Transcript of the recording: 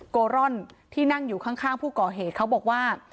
กร่อนที่นั่งอยู่ข้างผู้ก่อเหตุเขาบอกว่า